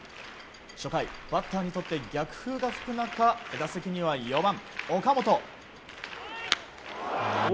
初回、バッターにとって逆風が吹く中打席には４番、岡本。